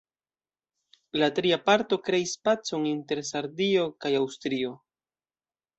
La tria parto kreis pacon inter Sardio kaj Aŭstrio.